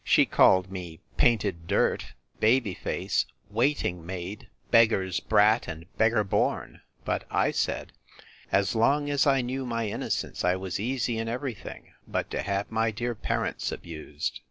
She called me painted dirt, baby face, waiting maid, beggar's brat, and beggar born; but I said, As long as I knew my innocence, I was easy in every thing, but to have my dear parents abused.